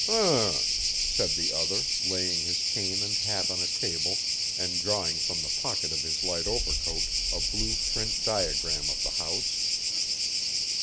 "H'm," said the other, laying his cane and hat on a table and drawing from the pocket of his light overcoat a blue print diagram of the house.